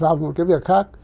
vào một cái việc khác